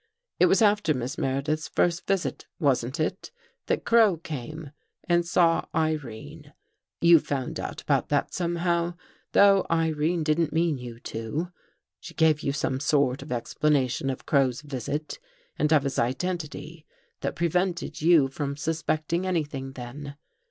It was after Miss Mere dith's first visit, wasn't it, that Crow came and saw Irene? You found out about that somehow, though Irene didn't mean you to. She gave you some sort of explanation of Crow's visit and of his identity that prevented you from suspecting anything then.